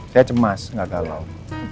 saya cemas gak galau